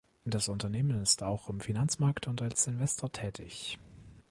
Das Unternehmen ist auch im Finanzmarkt und als Investor tätig.